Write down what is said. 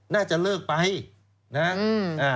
น่าจะเลิกไปนะฮะ